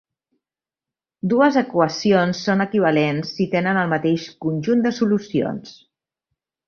Dues equacions són equivalents si tenen el mateix conjunt de solucions.